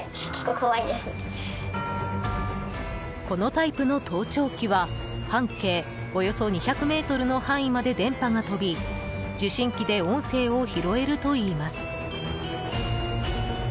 このタイプの盗聴器は半径およそ２００ｍの範囲まで電波が飛び受信機で音声を拾えるといいます。